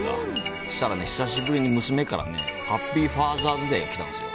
そうしたら、久しぶり娘からハッピーファーザーズデーって来たんですよ。